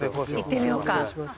行ってみようか。